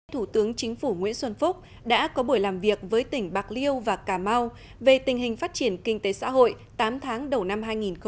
thủ tướng chính phủ nguyễn xuân phúc đã có buổi làm việc với tỉnh bạc liêu và cà mau về tình hình phát triển kinh tế xã hội tám tháng đầu năm hai nghìn một mươi chín